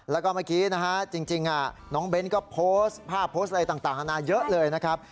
แล้วก็เมื่อกี้นะฮะจริงน้องเบ้นก็โพสต์ภาพโพสต์อะไรต่างนานาเยอะเลยนะครับ